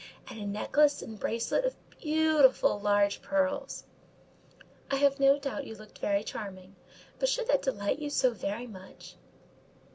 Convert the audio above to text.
and a necklace and bracelet of beautiful, large pearls!" "I have no doubt you looked very charming: but should that delight you so very much?"